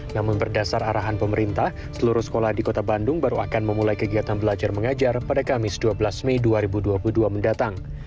namun berdasar arahan pemerintah seluruh sekolah di kota bandung baru akan memulai kegiatan belajar mengajar pada kamis dua belas mei dua ribu dua puluh dua mendatang